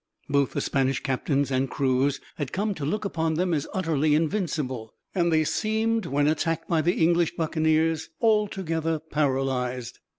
Both the Spanish captains and crews had come to look upon them as utterly invincible, and they seemed, when attacked by the English buccaneers, altogether paralyzed.